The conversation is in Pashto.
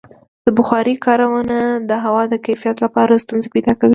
د بخارۍ کارونه د هوا د کیفیت لپاره ستونزې پیدا کوي.